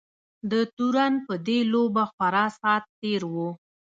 د تورن په دې لوبه خورا ساعت تېر وو.